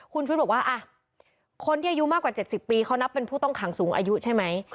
คุณชุวิตบอกว่าคนที่อายุมากกว่า๗๐ปีเขานับเป็นผู้ต้องขังสูงอายุใช่ไหม